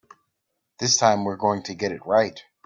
This time we're going to get it right.